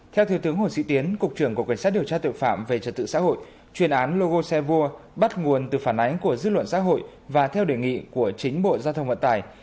theo thứ tướng hồ sĩ tiến cục trưởng cục cảnh sát điều tra tội phạm về trật tự xã hội truyền án logo xe vua bắt nguồn từ phản ánh của dư luận xã hội và theo đề nghị của chính bộ giao thông vận tải